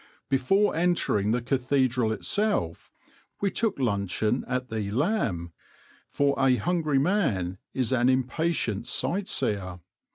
Before entering the cathedral itself we took luncheon at the "Lamb," for a hungry man is an impatient sight seer.